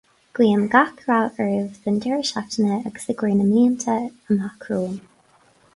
Guím gach rath oraibh don deireadh seachtaine agus i gcomhair na mblianta amach romhainn